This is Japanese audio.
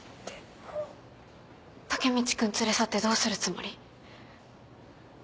タケミチ君連れ去ってどうするつもり？